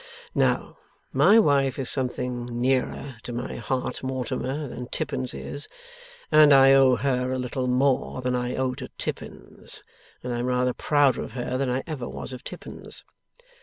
Now, my wife is something nearer to my heart, Mortimer, than Tippins is, and I owe her a little more than I owe to Tippins, and I am rather prouder of her than I ever was of Tippins.